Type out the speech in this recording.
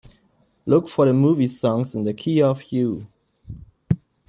Look for the movie Songs in the Key of You